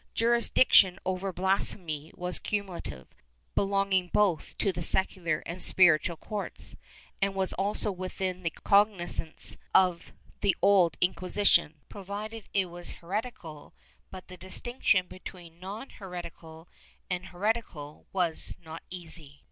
^ Jurisdiction over blasphemy was cumulative, belonging both to the secular and spiritual courts, and was also within the cognizance of the Old Inquisition, provided it was heretical, but the distinction between non heretical and heretical was not easy.